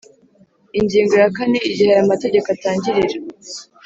Ingingo ya kane Igihe aya mategeko atangirira